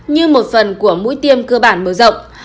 như một phần của mũi tiêm cơ bản mở rộng